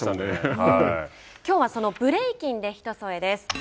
きょうはそのブレイキンで「ひとそえ」です。